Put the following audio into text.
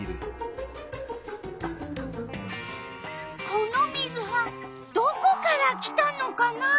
この水はどこから来たのかなあ？